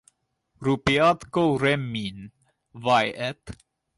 Rupeatko remmiin, vai et?